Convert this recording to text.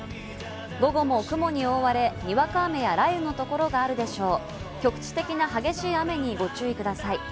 午後も雲に覆われ、にわか雨や雷雨のところがあるでしょう。